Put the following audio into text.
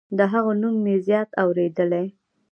د هغه نوم مې زیات اوریدلی